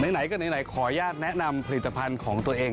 ไหนก็ไหนขออนุญาตแนะนำผลิตภัณฑ์ของตัวเอง